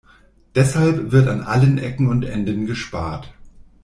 Deshalb wird an allen Ecken und Enden gespart.